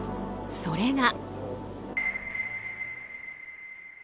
それが。